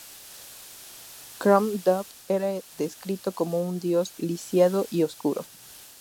Crom Dubh era descrito como un Dios lisiado y oscuro.